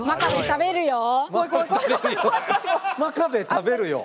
「真壁食べるよ」？